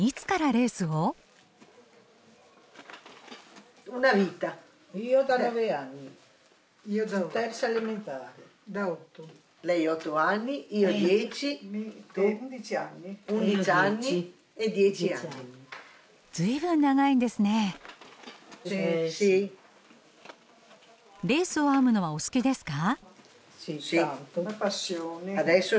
レースを編むのはお好きですか？